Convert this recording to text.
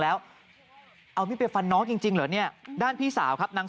แล้วเอามีดไปฟันน้องจริงเหรอเนี่ยด้านพี่สาวครับนาง